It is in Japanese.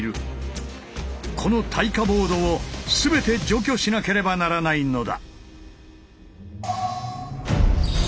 この耐火ボードを全て除去しなければならないのだ。